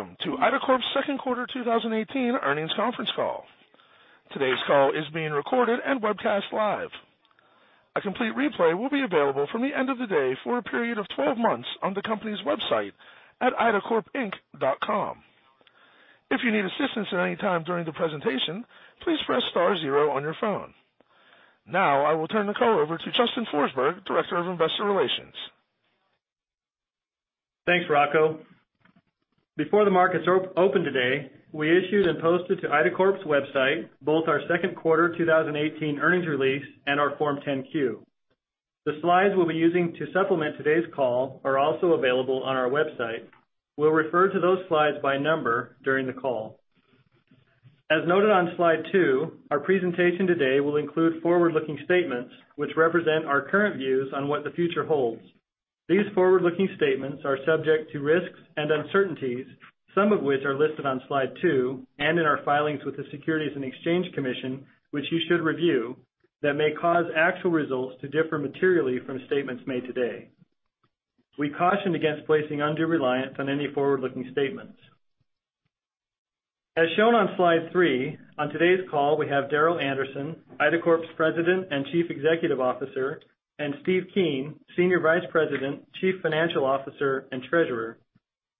Welcome to IDACORP's second quarter 2018 earnings conference call. Today's call is being recorded and webcast live. A complete replay will be available from the end of the day for a period of 12 months on the company's website at idacorpinc.com. If you need assistance at any time during the presentation, please press star zero on your phone. Now, I will turn the call over to Justin Forsberg, Director of Investor Relations. Thanks, Rocco. Before the markets opened today, we issued and posted to IDACORP's website both our second quarter 2018 earnings release and our Form 10-Q. The slides we'll be using to supplement today's call are also available on our website. We'll refer to those slides by number during the call. As noted on slide two, our presentation today will include forward-looking statements which represent our current views on what the future holds. These forward-looking statements are subject to risks and uncertainties, some of which are listed on slide two and in our filings with the Securities and Exchange Commission, which you should review, that may cause actual results to differ materially from statements made today. We caution against placing undue reliance on any forward-looking statements. As shown on slide three, on today's call, we have Darrel Anderson, IDACORP's President and Chief Executive Officer, and Steven Keen, Senior Vice President, Chief Financial Officer, and Treasurer.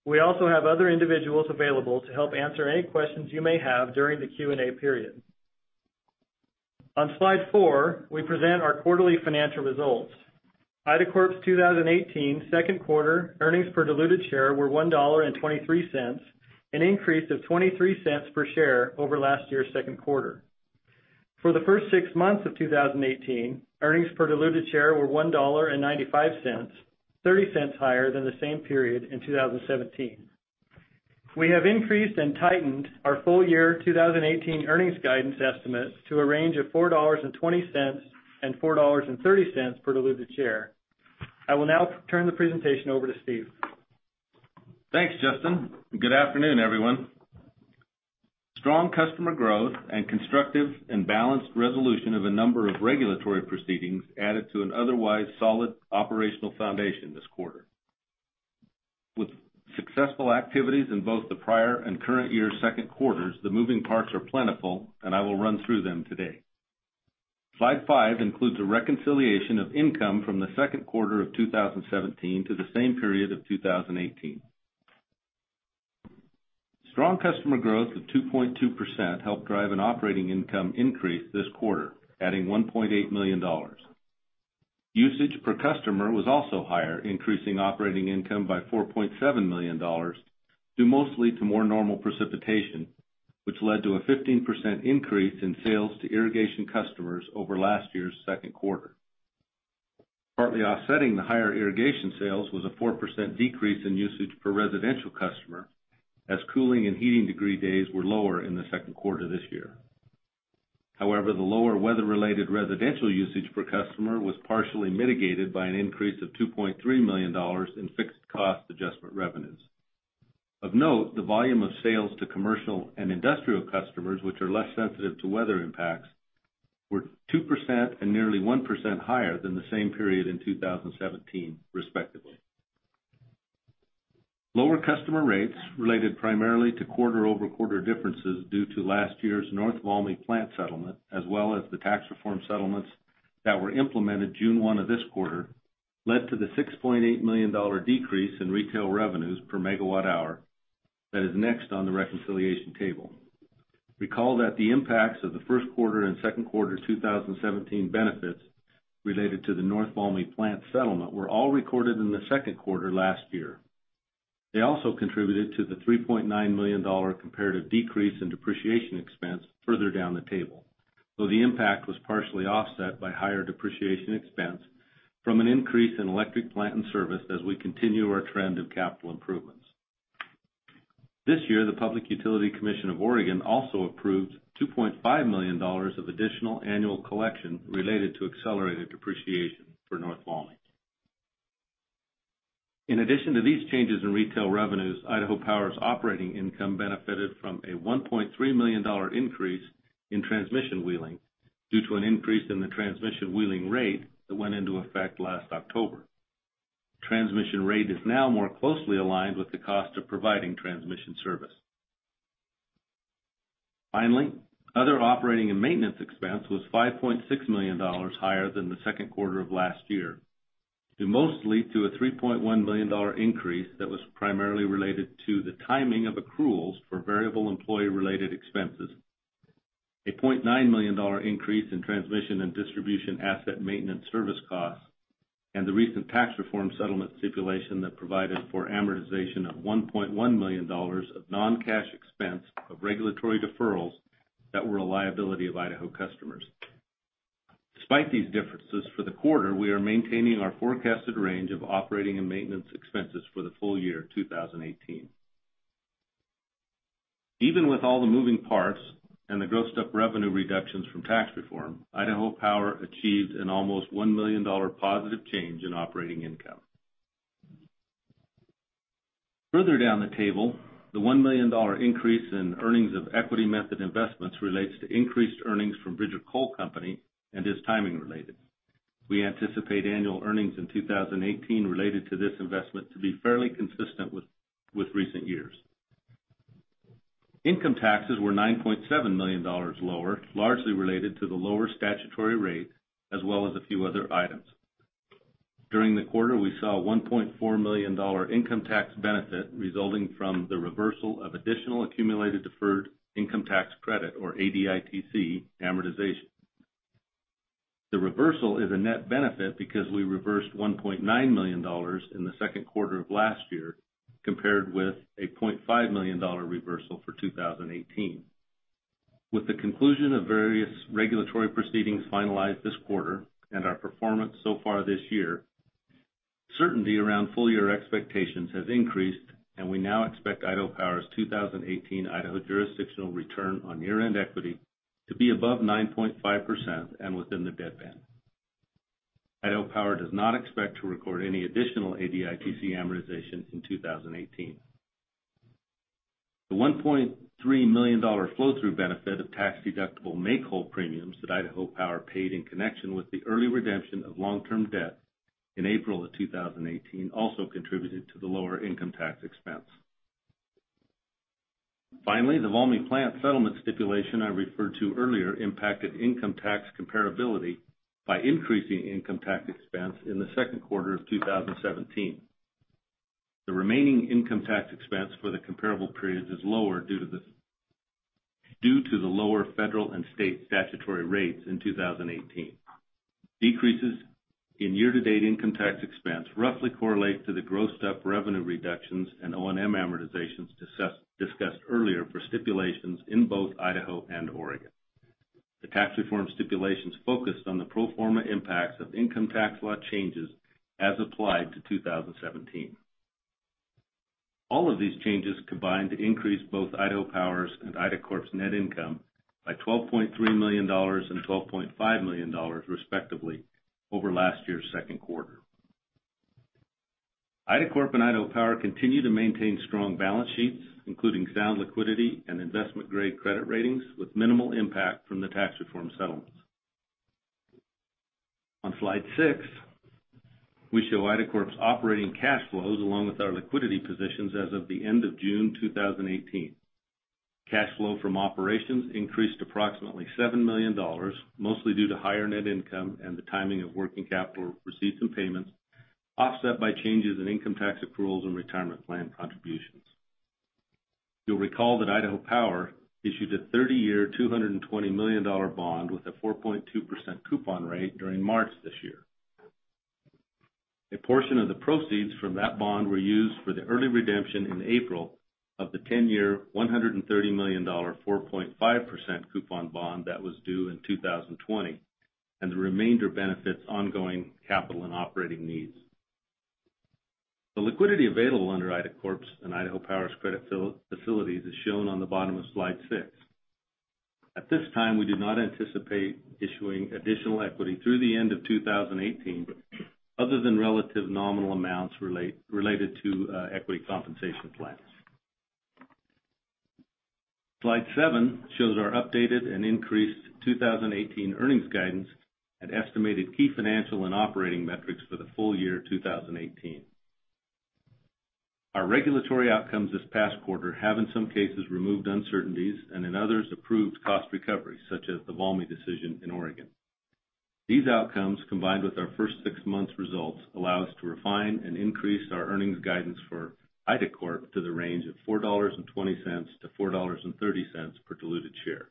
We also have other individuals available to help answer any questions you may have during the Q&A period. On slide four, we present our quarterly financial results. IDACORP's 2018 second quarter earnings per diluted share were $1.23, an increase of $0.23 per share over last year's second quarter. For the first six months of 2018, earnings per diluted share were $1.95, $0.30 higher than the same period in 2017. We have increased and tightened our full year 2018 earnings guidance estimates to a range of $4.20 and $4.30 per diluted share. I will now turn the presentation over to Steven. Thanks, Justin. Good afternoon, everyone. Strong customer growth and constructive and balanced resolution of a number of regulatory proceedings added to an otherwise solid operational foundation this quarter. With successful activities in both the prior and current year's second quarters, the moving parts are plentiful, I will run through them today. Slide five includes a reconciliation of income from the second quarter of 2017 to the same period of 2018. Strong customer growth of 2.2% helped drive an operating income increase this quarter, adding $1.8 million. Usage per customer was also higher, increasing operating income by $4.7 million, due mostly to more normal precipitation, which led to a 15% increase in sales to irrigation customers over last year's second quarter. Partly offsetting the higher irrigation sales was a 4% decrease in usage per residential customer as cooling and heating degree days were lower in the second quarter this year. The lower weather-related residential usage per customer was partially mitigated by an increase of $2.3 million in fixed cost adjustment revenues. Of note, the volume of sales to commercial and industrial customers, which are less sensitive to weather impacts, were 2% and nearly 1% higher than the same period in 2017, respectively. Lower customer rates related primarily to quarter-over-quarter differences due to last year's North Valmy plant settlement, as well as the tax reform settlements that were implemented June 1 of this quarter, led to the $6.8 million decrease in retail revenues per megawatt hour that is next on the reconciliation table. Recall that the impacts of the first quarter and second quarter 2017 benefits related to the North Valmy plant settlement were all recorded in the second quarter last year. They also contributed to the $3.9 million comparative decrease in depreciation expense further down the table, though the impact was partially offset by higher depreciation expense from an increase in electric plant and service as we continue our trend of capital improvements. This year, the Oregon Public Utility Commission also approved $2.5 million of additional annual collection related to accelerated depreciation for North Valmy. In addition to these changes in retail revenues, Idaho Power's operating income benefited from a $1.3 million increase in transmission wheeling due to an increase in the transmission wheeling rate that went into effect last October. Transmission rate is now more closely aligned with the cost of providing transmission service. Other operating and maintenance expense was $5.6 million higher than the second quarter of last year, due mostly to a $3.1 million increase that was primarily related to the timing of accruals for variable employee-related expenses. A $0.9 million increase in transmission and distribution asset maintenance service costs and the recent tax reform settlement stipulation that provided for amortization of $1.1 million of non-cash expense of regulatory deferrals that were a liability of Idaho customers. Despite these differences for the quarter, we are maintaining our forecasted range of operating and maintenance expenses for the full year 2018. Even with all the moving parts and the grossed-up revenue reductions from tax reform, Idaho Power achieved an almost $1 million positive change in operating income. Further down the table, the $1 million increase in earnings of equity method investments relates to increased earnings from Bridger Coal Company and is timing related. We anticipate annual earnings in 2018 related to this investment to be fairly consistent with recent years. Income taxes were $9.7 million lower, largely related to the lower statutory rate, as well as a few other items. During the quarter, we saw a $1.4 million income tax benefit resulting from the reversal of additional accumulated deferred income tax credit, or ADITC, amortization. The reversal is a net benefit because we reversed $1.9 million in the second quarter of last year, compared with a $0.5 million reversal for 2018. With the conclusion of various regulatory proceedings finalized this quarter and our performance so far this year, certainty around full-year expectations has increased, and we now expect Idaho Power's 2018 Idaho jurisdictional return on year-end equity to be above 9.5% and within the deadband. Idaho Power does not expect to record any additional ADITC amortization in 2018. The $1.3 million flow-through benefit of tax-deductible make-whole premiums that Idaho Power paid in connection with the early redemption of long-term debt in April of 2018 also contributed to the lower income tax expense. Finally, the Valmy plant settlement stipulation I referred to earlier impacted income tax comparability by increasing income tax expense in the second quarter of 2017. The remaining income tax expense for the comparable periods is lower due to the lower federal and state statutory rates in 2018. Decreases in year-to-date income tax expense roughly correlate to the grossed-up revenue reductions and O&M amortizations discussed earlier for stipulations in both Idaho and Oregon. The tax reform stipulations focused on the pro forma impacts of income tax law changes as applied to 2017. All of these changes combined to increase both Idaho Power's and Idacorp's net income by $12.3 million and $12.5 million, respectively, over last year's second quarter. Idacorp and Idaho Power continue to maintain strong balance sheets, including sound liquidity and investment-grade credit ratings, with minimal impact from the tax reform settlements. On slide six, we show Idacorp's operating cash flows along with our liquidity positions as of the end of June 2018. Cash flow from operations increased approximately $7 million, mostly due to higher net income and the timing of working capital receipts and payments, offset by changes in income tax accruals and retirement plan contributions. You'll recall that Idaho Power issued a 30-year, $220 million bond with a 4.2% coupon rate during March this year. A portion of the proceeds from that bond were used for the early redemption in April of the 10-year, $130 million, 4.5% coupon bond that was due in 2020, and the remainder benefits ongoing capital and operating needs. The liquidity available under Idacorp's and Idaho Power's credit facilities is shown on the bottom of slide six. At this time, we do not anticipate issuing additional equity through the end of 2018 other than relative nominal amounts related to equity compensation plans. Slide seven shows our updated and increased 2018 earnings guidance and estimated key financial and operating metrics for the full year 2018. Our regulatory outcomes this past quarter have, in some cases, removed uncertainties, and in others, approved cost recovery, such as the Valmy decision in Oregon. These outcomes, combined with our first six months results, allow us to refine and increase our earnings guidance for Idacorp to the range of $4.20 to $4.30 per diluted share.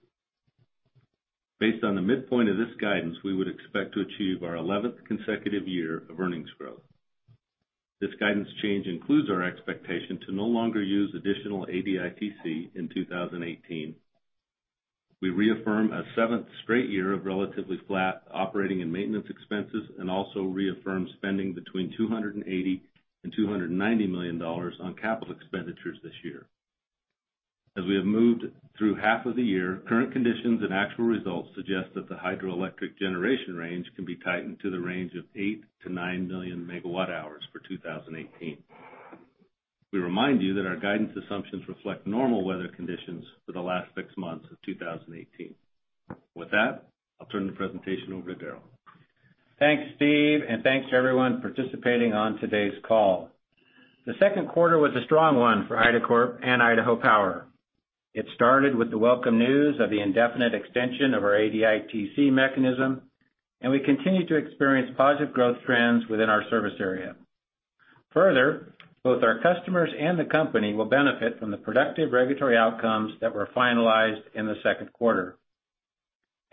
Based on the midpoint of this guidance, we would expect to achieve our 11th consecutive year of earnings growth. This guidance change includes our expectation to no longer use additional ADITC in 2018. We reaffirm a seventh straight year of relatively flat operating and maintenance expenses and also reaffirm spending between $280 and $290 million on capital expenditures this year. As we have moved through half of the year, current conditions and actual results suggest that the hydroelectric generation range can be tightened to the range of eight to nine million megawatt hours for 2018. We remind you that our guidance assumptions reflect normal weather conditions for the last six months of 2018. With that, I'll turn the presentation over to Darrel. Thanks, Steve, and thanks to everyone participating on today's call. The second quarter was a strong one for IDACORP and Idaho Power. It started with the welcome news of the indefinite extension of our ADITC mechanism, and we continue to experience positive growth trends within our service area. Further, both our customers and the company will benefit from the productive regulatory outcomes that were finalized in the second quarter.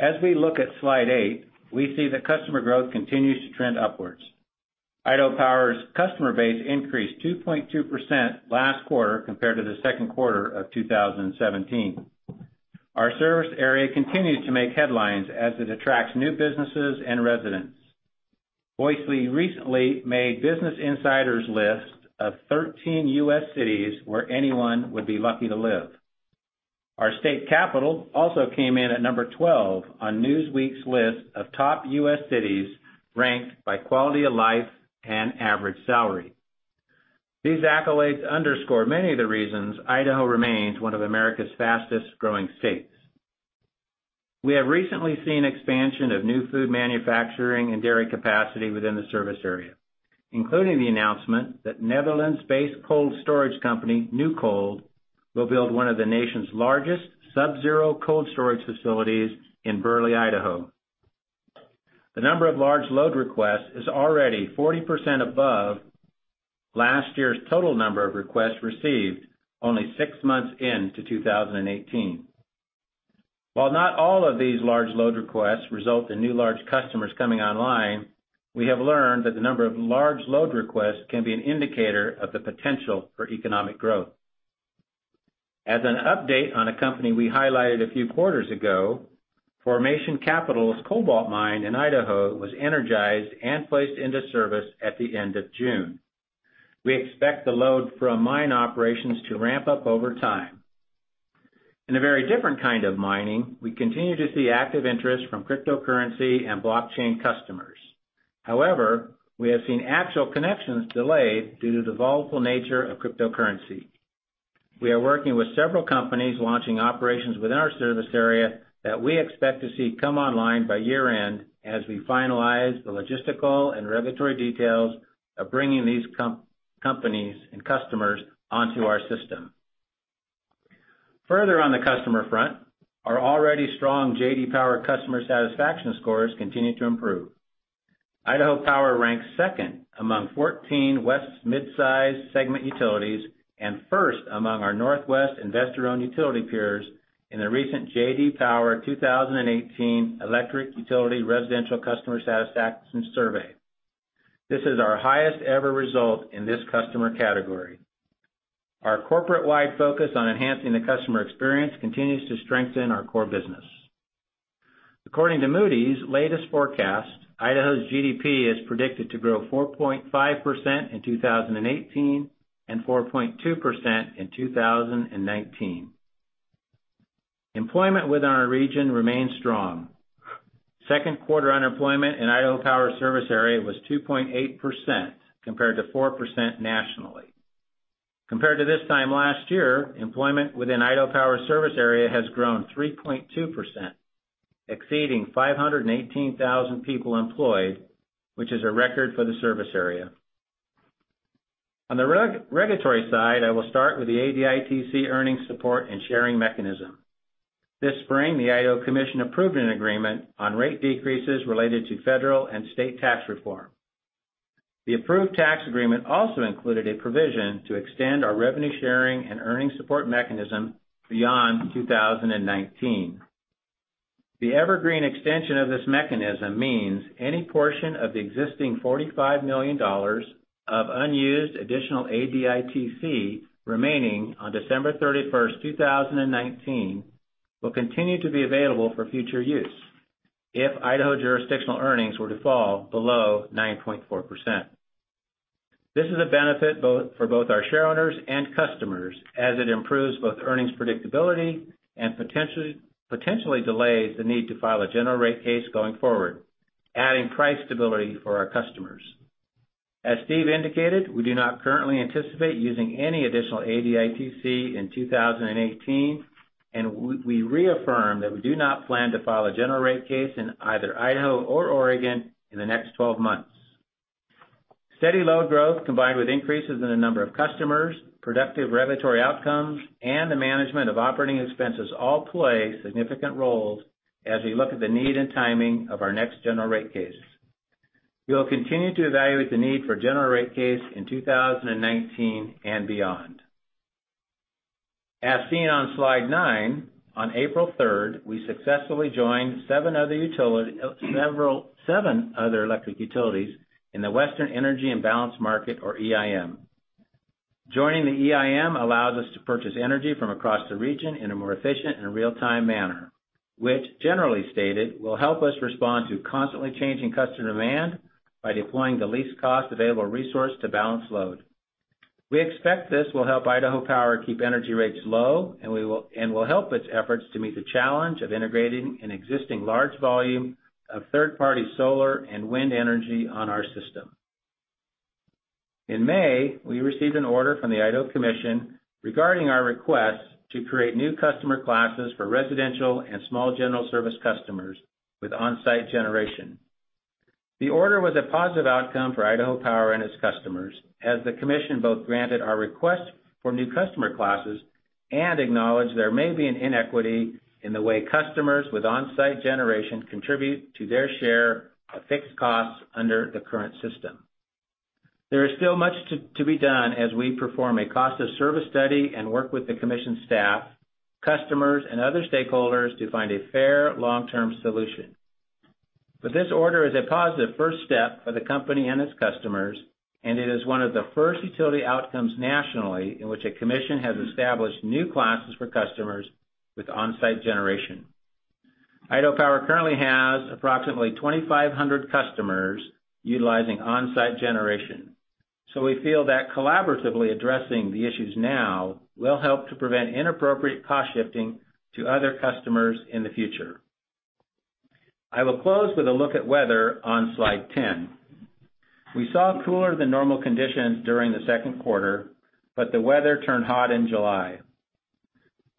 As we look at slide eight, we see that customer growth continues to trend upwards. Idaho Power's customer base increased 2.2% last quarter compared to the second quarter of 2017. Our service area continues to make headlines as it attracts new businesses and residents. Boise recently made Business Insider's list of 13 U.S. cities where anyone would be lucky to live. Our state capital also came in at number 12 on Newsweek's list of top U.S. cities ranked by quality of life and average salary. These accolades underscore many of the reasons Idaho remains one of America's fastest-growing states. We have recently seen expansion of new food manufacturing and dairy capacity within the service area, including the announcement that Netherlands-based cold storage company NewCold will build one of the nation's largest sub-zero cold storage facilities in Burley, Idaho. The number of large load requests is already 40% above last year's total number of requests received only six months into 2018. While not all of these large load requests result in new large customers coming online, we have learned that the number of large load requests can be an indicator of the potential for economic growth. As an update on a company we highlighted a few quarters ago, Formation Capital's cobalt mine in Idaho was energized and placed into service at the end of June. We expect the load from mine operations to ramp up over time. In a very different kind of mining, we continue to see active interest from cryptocurrency and blockchain customers. However, we have seen actual connections delayed due to the volatile nature of cryptocurrency. We are working with several companies launching operations within our service area that we expect to see come online by year-end as we finalize the logistical and regulatory details of bringing these companies and customers onto our system. Further on the customer front, our already strong J.D. Power customer satisfaction scores continue to improve. Idaho Power ranks second among 14 West midsize segment utilities and first among our Northwest investor-owned utility peers in the recent J.D. Power 2018 Electric Utility Residential Customer Satisfaction Survey. This is our highest-ever result in this customer category. Our corporate-wide focus on enhancing the customer experience continues to strengthen our core business. According to Moody's latest forecast, Idaho's GDP is predicted to grow 4.5% in 2018 and 4.2% in 2019. Employment within our region remains strong. Second quarter unemployment in Idaho Power service area was 2.8%, compared to 4% nationally. Compared to this time last year, employment within Idaho Power service area has grown 3.2%, exceeding 518,000 people employed, which is a record for the service area. On the regulatory side, I will start with the ADITC earnings support and sharing mechanism. This spring, the Idaho Commission approved an agreement on rate decreases related to federal and state tax reform. The approved tax agreement also included a provision to extend our revenue sharing and earnings support mechanism beyond 2019. The evergreen extension of this mechanism means any portion of the existing $45 million of unused additional ADITC remaining on December 31st, 2019, will continue to be available for future use if Idaho jurisdictional earnings were to fall below 9.4%. This is a benefit for both our shareholders and customers as it improves both earnings predictability and potentially delays the need to file a general rate case going forward, adding price stability for our customers. As Steve indicated, we do not currently anticipate using any additional ADITC in 2018, and we reaffirm that we do not plan to file a general rate case in either Idaho or Oregon in the next 12 months. Steady load growth, combined with increases in the number of customers, productive regulatory outcomes, and the management of operating expenses all play significant roles as we look at the need and timing of our next general rate cases. We will continue to evaluate the need for a general rate case in 2019 and beyond. As seen on slide nine, on April 3rd, we successfully joined seven other electric utilities in the Western Energy Imbalance Market or EIM. Joining the EIM allows us to purchase energy from across the region in a more efficient and real-time manner, which generally stated will help us respond to constantly changing customer demand by deploying the least cost available resource to balance load. We expect this will help Idaho Power keep energy rates low and will help its efforts to meet the challenge of integrating an existing large volume of third-party solar and wind energy on our system. In May, we received an order from the Idaho Commission regarding our request to create new customer classes for residential and small general service customers with on-site generation. The order was a positive outcome for Idaho Power and its customers as the commission both granted our request for new customer classes and acknowledged there may be an inequity in the way customers with on-site generation contribute to their share of fixed costs under the current system. There is still much to be done as we perform a cost of service study and work with the commission staff, customers, and other stakeholders to find a fair long-term solution. This order is a positive first step for the company and its customers, and it is one of the first utility outcomes nationally in which a commission has established new classes for customers with on-site generation. Idaho Power currently has approximately 2,500 customers utilizing on-site generation. We feel that collaboratively addressing the issues now will help to prevent inappropriate cost-shifting to other customers in the future. I will close with a look at weather on slide 10. We saw cooler than normal conditions during the second quarter, but the weather turned hot in July.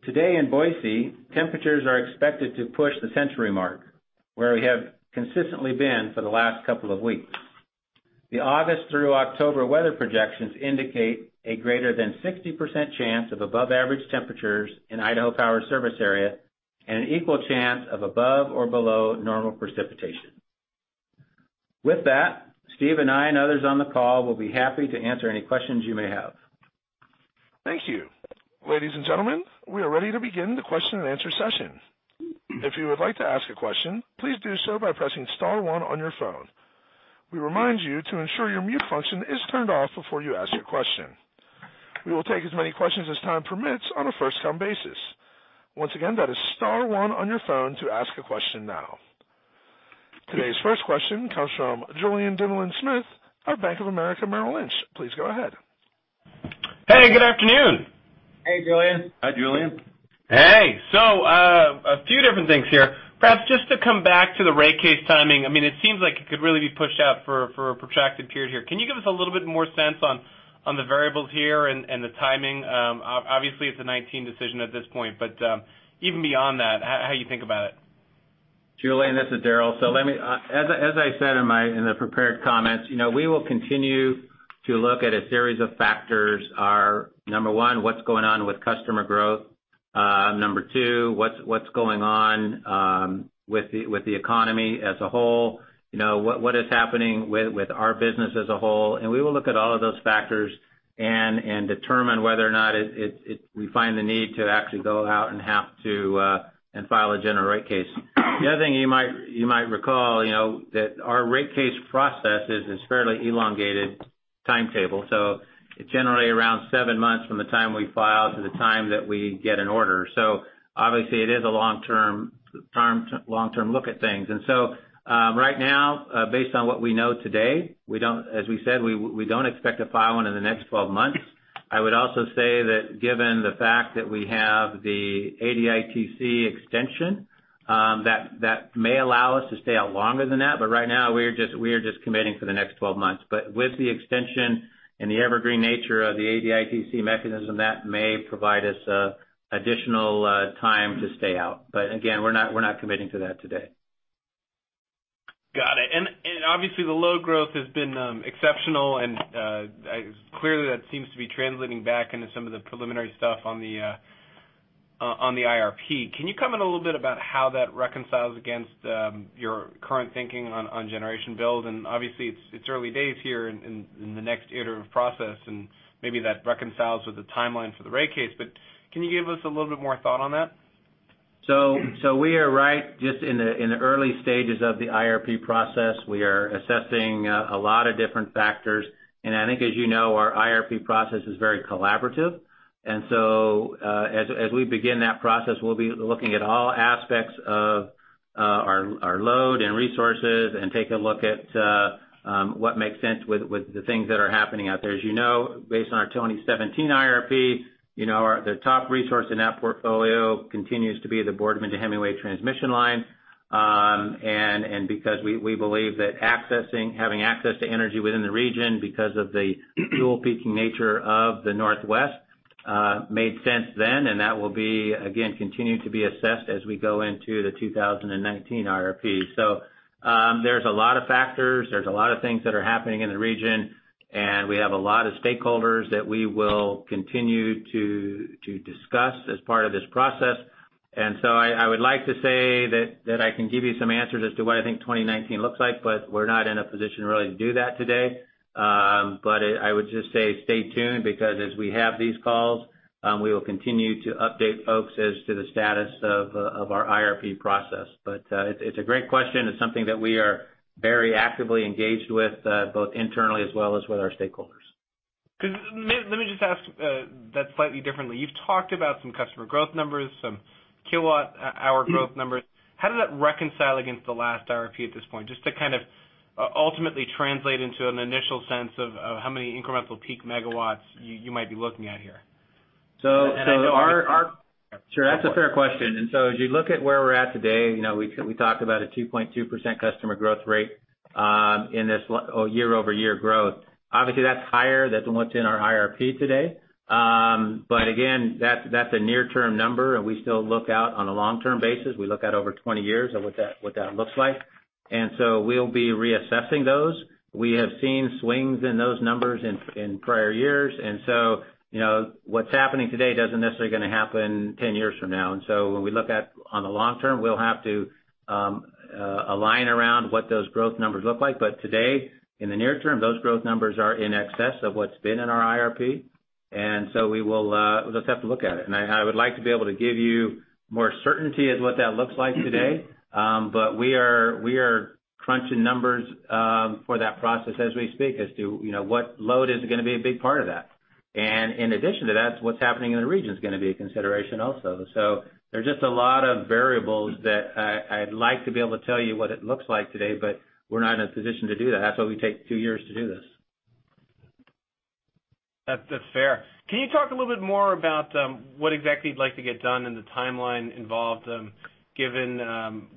Today in Boise, temperatures are expected to push the century mark, where we have consistently been for the last couple of weeks. The August through October weather projections indicate a greater than 60% chance of above average temperatures in Idaho Power service area and an equal chance of above or below normal precipitation. With that, Steve and I and others on the call will be happy to answer any questions you may have. Thank you. Ladies and gentlemen, we are ready to begin the question and answer session. If you would like to ask a question, please do so by pressing star one on your phone. We remind you to ensure your mute function is turned off before you ask your question. We will take as many questions as time permits on a first-come basis. Once again, that is star one on your phone to ask a question now. Today's first question comes from Julien Dumoulin-Smith of Bank of America Merrill Lynch. Please go ahead. Hey, good afternoon. Hey, Julien. Hi, Julien. Hey. A few different things here. Perhaps just to come back to the rate case timing. It seems like it could really be pushed out for a protracted period here. Can you give us a little bit more sense on the variables here and the timing? Obviously, it's a 2019 decision at this point, but even beyond that, how you think about it? Julien, this is Darrel. Let me, as I said in the prepared comments, we will continue to look at a series of factors. Our number one, what's going on with customer growth. Number two, what's going on with the economy as a whole. What is happening with our business as a whole, and we will look at all of those factors and determine whether or not we find the need to actually go out and have to file a general rate case. The other thing you might recall, that our rate case process is a fairly elongated timetable. It's generally around seven months from the time we file to the time that we get an order. Obviously, it is a long-term look at things. Right now, based on what we know today, as we said, we don't expect to file one in the next 12 months. I would also say that given the fact that we have the ADITC extension, that may allow us to stay out longer than that. Right now, we are just committing for the next 12 months. With the extension and the evergreen nature of the ADITC mechanism, that may provide us additional time to stay out. Again, we're not committing to that today. Got it. Obviously, the load growth has been exceptional and clearly that seems to be translating back into some of the preliminary stuff on the IRP. Can you comment a little bit about how that reconciles against your current thinking on generation build? Obviously, it's early days here in the next iterative process, and maybe that reconciles with the timeline for the rate case. Can you give us a little bit more thought on that? We are right just in the early stages of the IRP process. We are assessing a lot of different factors. I think as you know, our IRP process is very collaborative. As we begin that process, we'll be looking at all aspects of our load and resources and take a look at what makes sense with the things that are happening out there. As you know, based on our 2017 IRP, the top resource in that portfolio continues to be the Boardman to Hemingway transmission line. Because we believe that having access to energy within the region because of the dual peaking nature of the Northwest, made sense then, and that will be, again, continuing to be assessed as we go into the 2019 IRP. There's a lot of factors, there's a lot of things that are happening in the region, and we have a lot of stakeholders that we will continue to discuss as part of this process. I would like to say that I can give you some answers as to what I think 2019 looks like, we're not in a position really to do that today. I would just say stay tuned because as we have these calls, we will continue to update folks as to the status of our IRP process. It's a great question. It's something that we are very actively engaged with both internally as well as with our stakeholders. Let me just ask that slightly differently. You've talked about some customer growth numbers, some kilowatt-hour growth numbers. How does that reconcile against the last IRP at this point, just to kind of ultimately translate into an initial sense of how many incremental peak megawatts you might be looking at here? So our- I know. Sure. That's a fair question. As you look at where we're at today, we talked about a 2.2% customer growth rate in this year-over-year growth. Obviously, that's higher than what's in our IRP today. Again, that's a near-term number and we still look out on a long-term basis. We look out over 20 years at what that looks like. We'll be reassessing those. We have seen swings in those numbers in prior years, and so what's happening today doesn't necessarily going to happen 10 years from now. When we look at on the long term, we'll have to align around what those growth numbers look like. Today, in the near term, those growth numbers are in excess of what's been in our IRP. We'll just have to look at it. I would like to be able to give you more certainty as what that looks like today, but we are crunching numbers for that process as we speak as to what load is going to be a big part of that. In addition to that, what's happening in the region is going to be a consideration also. There's just a lot of variables that I'd like to be able to tell you what it looks like today, but we're not in a position to do that. That's why we take two years to do this. That's fair. Can you talk a little bit more about what exactly you'd like to get done and the timeline involved, given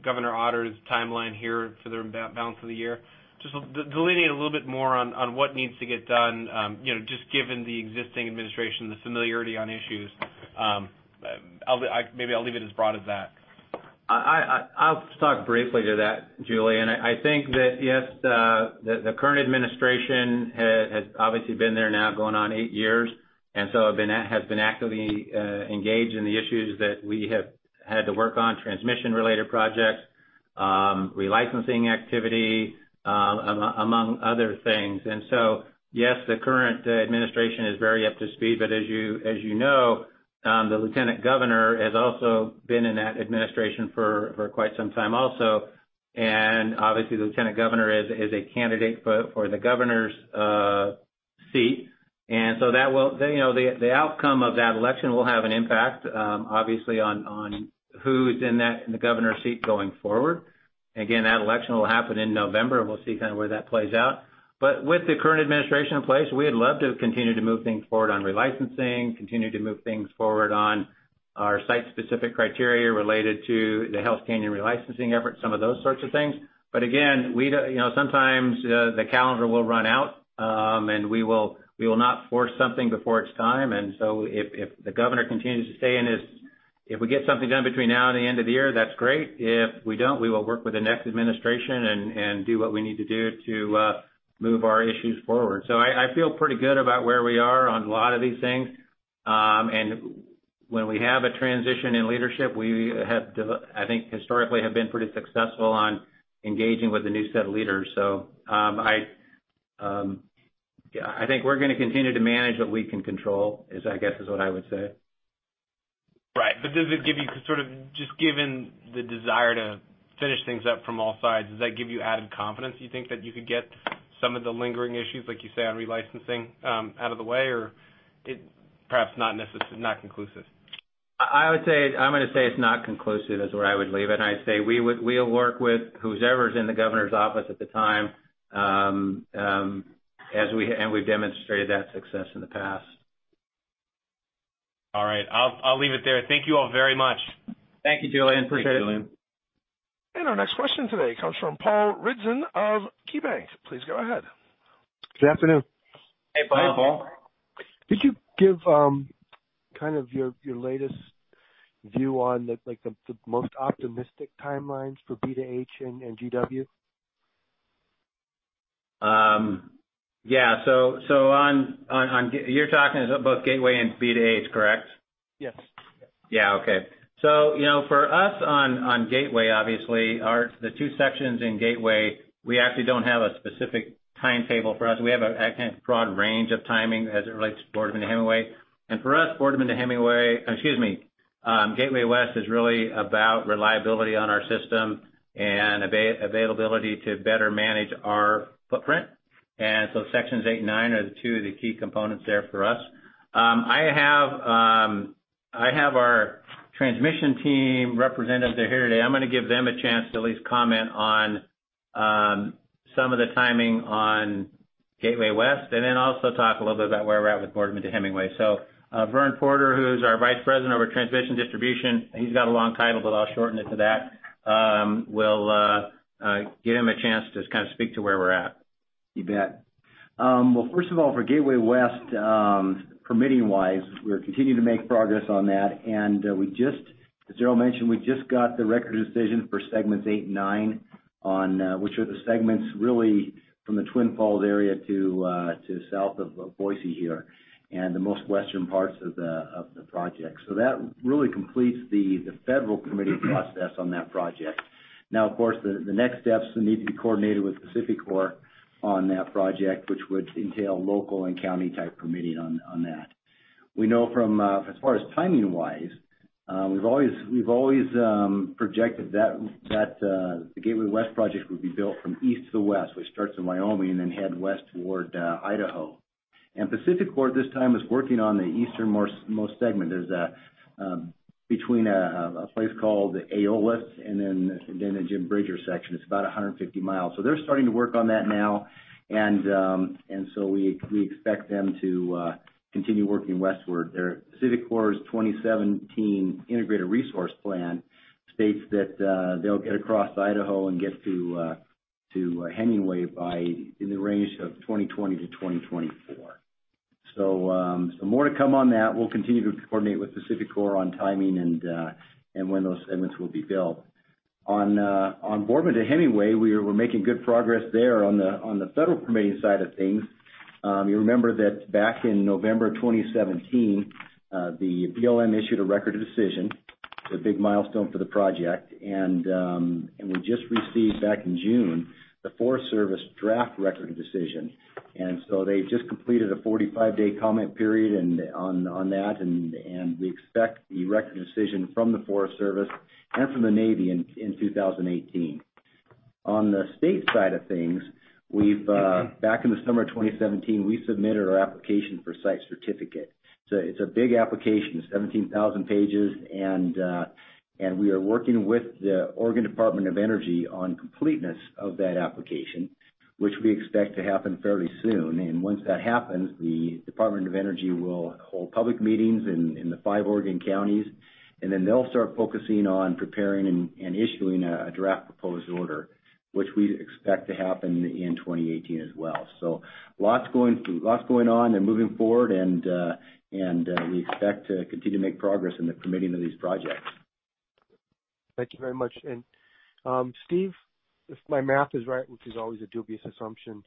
Butch Otter's timeline here for the balance of the year? Just delineate a little bit more on what needs to get done, just given the existing administration, the familiarity on issues. Maybe I'll leave it as broad as that. I'll just talk briefly to that, Julien. I think that, yes, the current administration has obviously been there now going on eight years, and so has been actively engaged in the issues that we have had to work on, transmission-related projects, relicensing activity, among other things. Yes, the current administration is very up to speed. As you know, the lieutenant governor has also been in that administration for quite some time also. Obviously, the lieutenant governor is a candidate for the governor's seat. The outcome of that election will have an impact, obviously, on who's in the governor's seat going forward. Again, that election will happen in November, and we'll see where that plays out. With the current administration in place, we'd love to continue to move things forward on relicensing, continue to move things forward on our site-specific criteria related to the Hells Canyon relicensing effort, some of those sorts of things. Again, sometimes the calendar will run out, and we will not force something before its time. If the governor continues to stay and if we get something done between now and the end of the year, that's great. If we don't, we will work with the next administration and do what we need to do to move our issues forward. I feel pretty good about where we are on a lot of these things. When we have a transition in leadership, we, I think, historically, have been pretty successful on engaging with the new set of leaders. I think we're going to continue to manage what we can control, is I guess, is what I would say. Right. Does it give you, just given the desire to finish things up from all sides, does that give you added confidence, do you think, that you could get some of the lingering issues, like you say, on relicensing, out of the way? Or perhaps not conclusive? I'm going to say it's not conclusive, is where I would leave it. I'd say we'll work with whoever's in the governor's office at the time, and we've demonstrated that success in the past. All right. I'll leave it there. Thank you all very much. Thank you, Julien. Appreciate it. Thank you, Julien. Our next question today comes from Paul Ridzon of KeyBank. Please go ahead. Good afternoon. Hey, Paul. Hi, Paul. Could you give your latest view on the most optimistic timelines for Boardman to Hemingway and GW? Yeah. You're talking about both Gateway and Boardman to Hemingway, correct? Yes. Yeah. Okay. For us on Gateway, obviously, the two sections in Gateway, we actually don't have a specific timetable for us. We have a broad range of timing as it relates to Boardman to Hemingway. For us, Boardman to Hemingway-- Excuse me. Gateway West is really about reliability on our system and availability to better manage our footprint. Sections eight and nine are the two of the key components there for us. I have our transmission team representative. They're here today. I'm going to give them a chance to at least comment on some of the timing on Gateway West, and then also talk a little bit about where we're at with Boardman to Hemingway. Vern Porter, who's our Vice President over at Transmission Distribution, he's got a long title, but I'll shorten it to that. We'll give him a chance to speak to where we're at. You bet. First of all, for Gateway West, permitting-wise, we're continuing to make progress on that. As Darrel mentioned, we just got the record decision for segments eight and nine, which are the segments really from the Twin Falls area to south of Boise here, and the most western parts of the project. That really completes the federal permitting process on that project. Of course, the next steps need to be coordinated with PacifiCorp on that project, which would entail local and county-type permitting on that. We know as far as timing-wise, we've always projected that the Gateway West project would be built from east to west, which starts in Wyoming and then head west toward Idaho. PacifiCorp, this time, is working on the easternmost segment. There's between a place called Aeolus, and then the Jim Bridger section. It's about 150 miles. They're starting to work on that now. We expect them to continue working westward. PacifiCorp's 2017 Integrated Resource Plan states that they'll get across Idaho and get to Hemingway in the range of 2020 to 2024. More to come on that. We'll continue to coordinate with PacifiCorp on timing and when those segments will be built. On Boardman to Hemingway, we're making good progress there on the federal permitting side of things. You remember that back in November 2017, the BLM issued a record of decision, the big milestone for the project. We just received back in June, the Forest Service draft record of decision. They've just completed a 45-day comment period on that. We expect the record decision from the Forest Service and from the Navy in 2018. On the state side of things, back in the summer of 2017, we submitted our application for site certificate. It's a big application, it's 17,000 pages, and we are working with the Oregon Department of Energy on completeness of that application, which we expect to happen fairly soon. Once that happens, the Department of Energy will hold public meetings in the five Oregon counties, then they'll start focusing on preparing and issuing a draft proposed order, which we expect to happen in 2018 as well. Lots going on and moving forward, and we expect to continue to make progress in the permitting of these projects. Thank you very much. Steve, if my math is right, which is always a dubious assumption,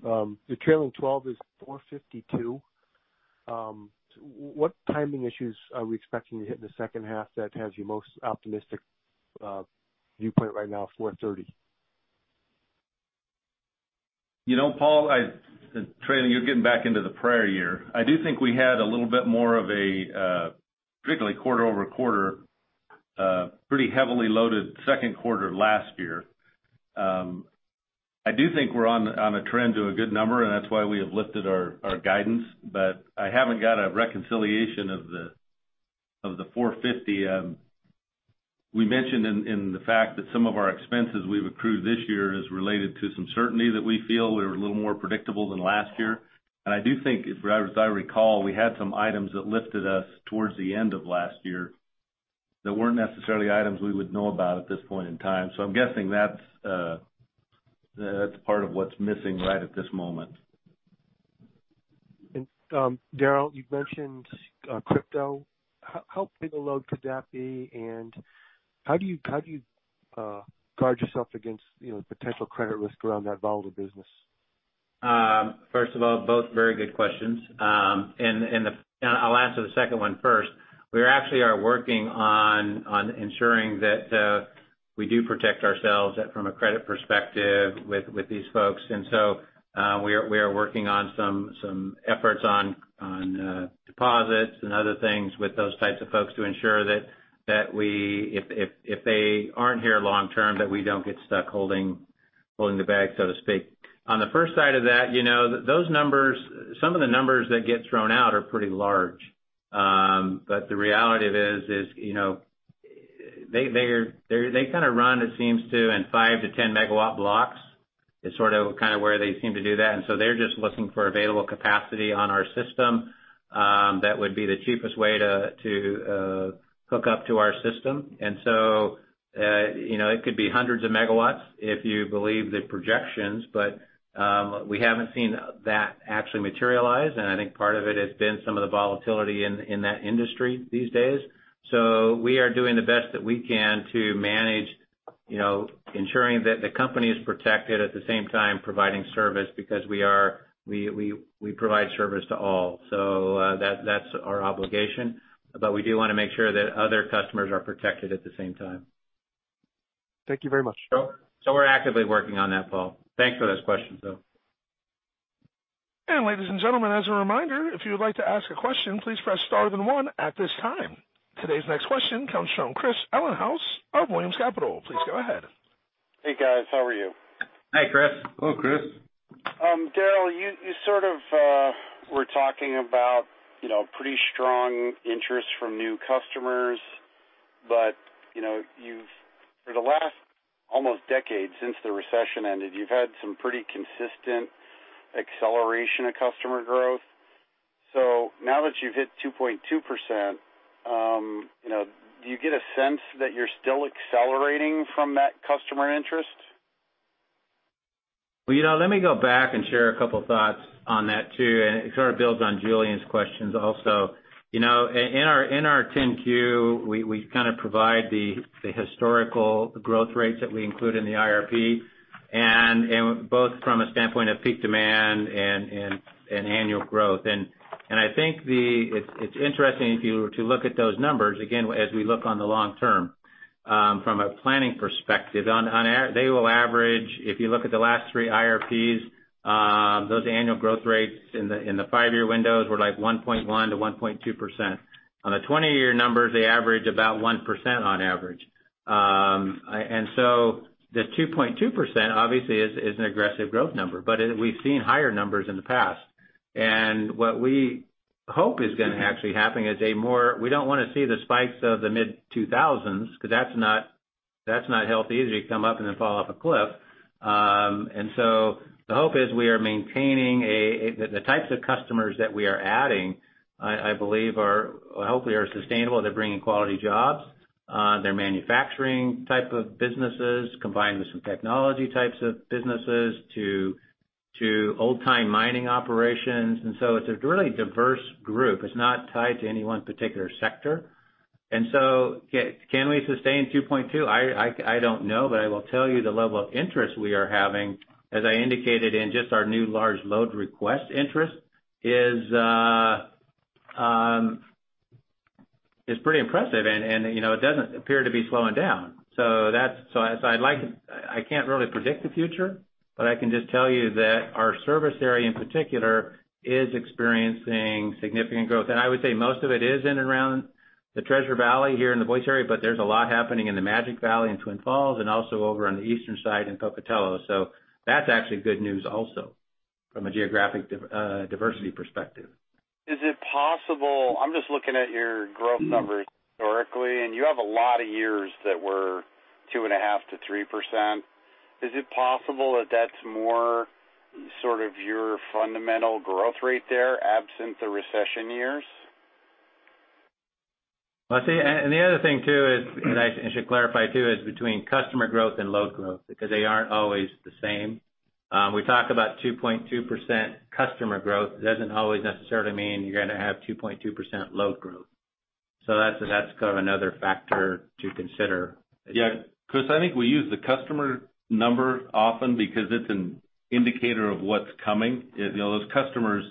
the trailing 12 is 452. What timing issues are we expecting to hit in the second half that has you most optimistic viewpoint right now, 430? Paul, trailing, you're getting back into the prior year. I do think we had a little bit more of a, particularly quarter-over-quarter, pretty heavily loaded second quarter last year. I do think we're on a trend to a good number, and that's why we have lifted our guidance. I haven't got a reconciliation of the 450. We mentioned in the fact that some of our expenses we've accrued this year is related to some certainty that we feel we're a little more predictable than last year. I do think, as I recall, we had some items that lifted us towards the end of last year that weren't necessarily items we would know about at this point in time. I'm guessing that's part of what's missing right at this moment. Darrel, you've mentioned crypto. How big a load could that be, and how do you guard yourself against potential credit risk around that volatile business? First of all, both very good questions. I'll answer the second one first. We actually are working on ensuring that we do protect ourselves from a credit perspective with these folks. We are working on some efforts on deposits and other things with those types of folks to ensure that if they aren't here long-term, that we don't get stuck holding the bag, so to speak. On the first side of that, some of the numbers that get thrown out are pretty large. The reality of it is they kind of run, it seems to, in 5-10 megawatt blocks, is sort of where they seem to do that. They're just looking for available capacity on our system that would be the cheapest way to hook up to our system. It could be hundreds of megawatts if you believe the projections, but we haven't seen that actually materialize. I think part of it has been some of the volatility in that industry these days. We are doing the best that we can to manage ensuring that the company is protected, at the same time, providing service because we provide service to all. That, that's our obligation. We do want to make sure that other customers are protected at the same time. Thank you very much. We're actively working on that, Paul. Thanks for those questions, though. Ladies and gentlemen, as a reminder, if you would like to ask a question, please press star then one at this time. Today's next question comes from Chris Ellinghaus of Williams Capital. Please go ahead. Hey, guys. How are you? Hi, Chris. Hello, Chris. Darrel, you sort of were talking about pretty strong interest from new customers, For the last almost decade since the recession ended, you've had some pretty consistent acceleration of customer growth. Now that you've hit 2.2%, do you get a sense that you're still accelerating from that customer interest? Well, let me go back and share a couple thoughts on that too, and it sort of builds on Julien's questions also. In our Form 10-Q, we kind of provide the historical growth rates that we include in the IRP, both from a standpoint of peak demand and annual growth. I think it's interesting if you were to look at those numbers, again, as we look on the long term. From a planning perspective, they will average, if you look at the last three IRPs, those annual growth rates in the 5-year windows were like 1.1%-1.2%. On the 20-year numbers, they average about 1% on average. The 2.2% obviously is an aggressive growth number, but we've seen higher numbers in the past. What we hope is going to actually happen is a more. We don't want to see the spikes of the mid-2000s, because that's not healthy, as you come up and then fall off a cliff. The hope is we are maintaining the types of customers that we are adding, I believe hopefully are sustainable. They're bringing quality jobs. They're manufacturing type of businesses combined with some technology types of businesses to old-time mining operations. It's a really diverse group. It's not tied to any one particular sector. Can we sustain 2.2? I don't know, but I will tell you the level of interest we are having, as I indicated in just our new large load request interest, is pretty impressive, and it doesn't appear to be slowing down. I can't really predict the future, but I can just tell you that our service area in particular is experiencing significant growth. I would say most of it is in and around The Treasure Valley here in the Boise area, but there's a lot happening in the Magic Valley in Twin Falls, and also over on the eastern side in Pocatello. That's actually good news also from a geographic diversity perspective. I'm just looking at your growth numbers historically, and you have a lot of years that were 2.5% to 3%. Is it possible that that's more sort of your fundamental growth rate there, absent the recession years? The other thing, too, is, and I should clarify, too, is between customer growth and load growth, because they aren't always the same. We talk about 2.2% customer growth. It doesn't always necessarily mean you're going to have 2.2% load growth. That's kind of another factor to consider. Chris, I think we use the customer number often because it's an indicator of what's coming. Those customers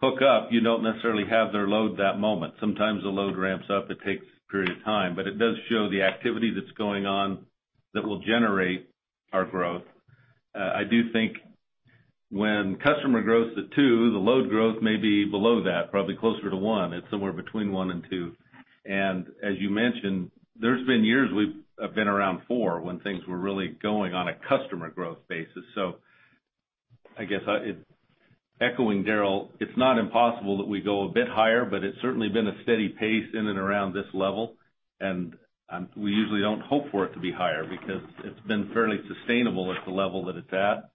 hook up, you don't necessarily have their load that moment. Sometimes the load ramps up, it takes a period of time. It does show the activity that's going on that will generate our growth. I do think when customer growth's at two, the load growth may be below that, probably closer to one. It's somewhere between one and two. As you mentioned, there's been years we've been around four when things were really going on a customer growth basis. I guess, echoing Darrel, it's not impossible that we go a bit higher, but it's certainly been a steady pace in and around this level. We usually don't hope for it to be higher, because it's been fairly sustainable at the level that it's at.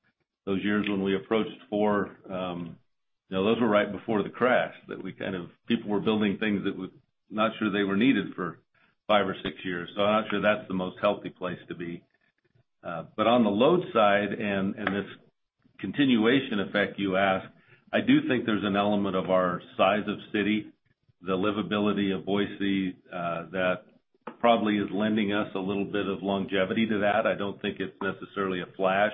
Those years when we approached four, those were right before the crash. People were building things that we're not sure they were needed for five or six years. I'm not sure that's the most healthy place to be. On the load side and this continuation effect you ask, I do think there's an element of our size of city, the livability of Boise, that probably is lending us a little bit of longevity to that. I don't think it's necessarily a flash.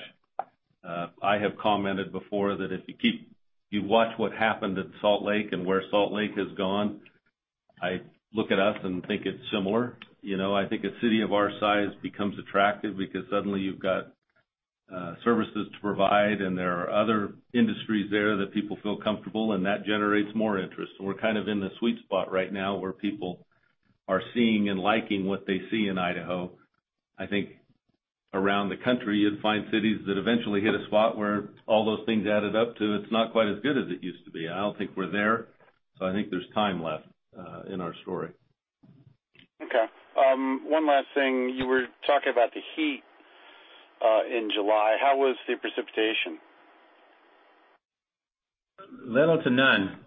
I have commented before that if you watch what happened at Salt Lake and where Salt Lake has gone, I look at us and think it's similar. I think a city of our size becomes attractive because suddenly you've got services to provide, and there are other industries there that people feel comfortable, and that generates more interest. We're kind of in the sweet spot right now where people are seeing and liking what they see in Idaho. I think around the country, you'd find cities that eventually hit a spot where all those things added up to, it's not quite as good as it used to be. I don't think we're there, so I think there's time left in our story. Okay. One last thing. You were talking about the heat in July. How was the precipitation? Little to none.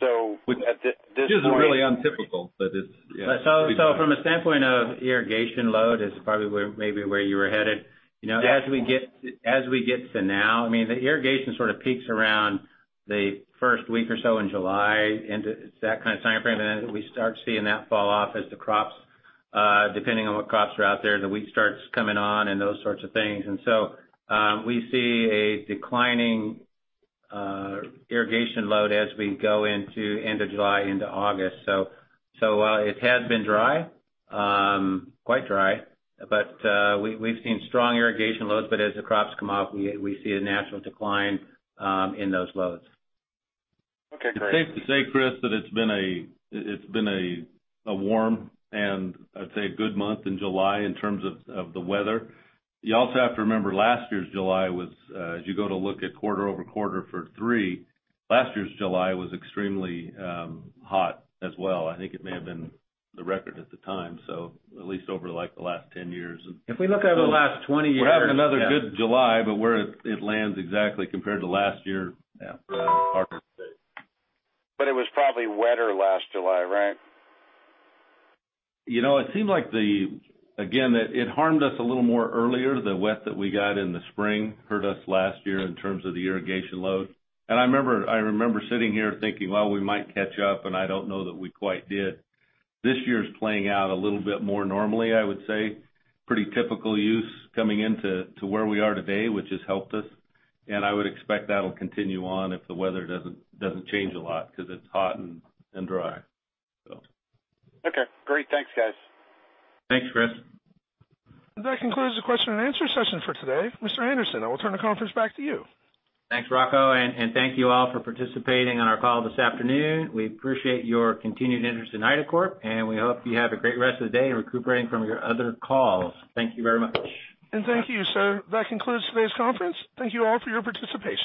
So at this point- Which is really untypical, but it's, yeah. From a standpoint of irrigation load is probably maybe where you were headed. As we get to now, the irrigation sort of peaks around the first week or so in July into that kind of time frame. Then we start seeing that fall off as the crops, depending on what crops are out there, the wheat starts coming on and those sorts of things. So we see a declining irrigation load as we go into end of July into August. It has been dry. Quite dry. We've seen strong irrigation loads, but as the crops come off, we see a natural decline in those loads. Okay, great. Safe to say, Chris, that it's been a warm, and I'd say a good month in July in terms of the weather. You also have to remember, last year's July was, as you go to look at quarter-over-quarter for three, last year's July was extremely hot as well. I think it may have been the record at the time, so at least over the last 10 years. If we look over the last 20 years. We're having another good July, but where it lands exactly compared to last year. Yeah It's harder to say. It was probably wetter last July, right? It seemed like the again, it harmed us a little more earlier. The wet that we got in the spring hurt us last year in terms of the irrigation load. I remember sitting here thinking, "Well, we might catch up," and I don't know that we quite did. This year is playing out a little bit more normally, I would say. Pretty typical use coming into where we are today, which has helped us. I would expect that'll continue on if the weather doesn't change a lot, because it's hot and dry. Okay, great. Thanks, guys. Thanks, Chris. That concludes the question and answer session for today. Mr. Anderson, I will turn the conference back to you. Thanks, Rocco. Thank you all for participating on our call this afternoon. We appreciate your continued interest in Idacorp. We hope you have a great rest of the day recuperating from your other calls. Thank you very much. Thank you, sir. That concludes today's conference. Thank you all for your participation.